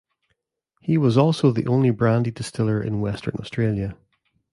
He was also the only brandy distiller in Western Australia.